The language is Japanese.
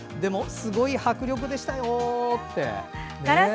すごい迫力でしたよって。